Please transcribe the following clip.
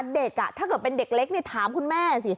เด็กอ่ะถ้าเกิดเป็นเด็กเล็กนี่ถามคุณแม่สิ